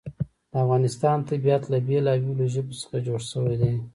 د افغانستان طبیعت له بېلابېلو ژبو څخه جوړ شوی دی.